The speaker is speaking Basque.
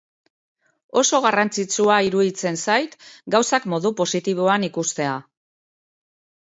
Oso garrantzitsua iruditzen zait gauzak modu positiboan ikustea.